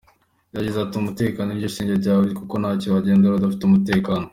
Yagize ati”Umutekano niryo shingiro rya byose, kuko ntacyo wageraho udafite umutekano”.